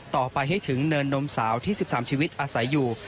ต่อไปให้ถึงเนินนมสาวที่๑๓ชีวิตอาศัยอยู่